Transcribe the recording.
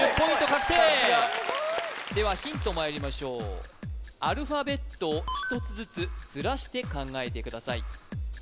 確定ではヒントまいりましょうアルファベットを１つずつズラして考えてください